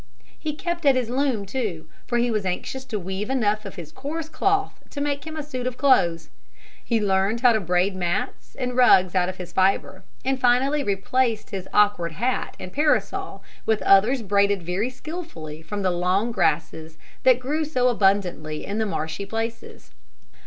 He kept at his loom too, for he was anxious to weave enough of his coarse cloth to make him a suit of clothes. He learned how to braid mats and rugs out of his fibre, and finally replaced his awkward hat and parasol with others braided very skillfully from the long grasses that grew so abundantly in the marshy places.